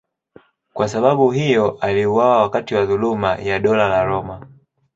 Kwa sababu hiyo aliuawa wakati wa dhuluma ya Dola la Roma.